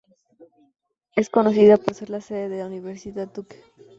Es conocida por ser la sede de la Universidad Duke.